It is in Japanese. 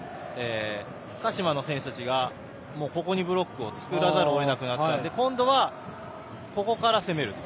鹿島の選手たちがブロックを作らざるをえなくなったんで今度はここから攻めると。